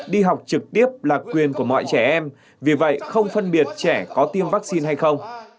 đi học trực tiếp là quyền của mọi trẻ em vì vậy không phân biệt trẻ có tiêm vaccine hay không